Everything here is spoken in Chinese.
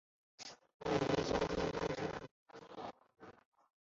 芸香科柑橘类等。